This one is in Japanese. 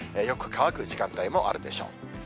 よく乾く時間帯もあるでしょう。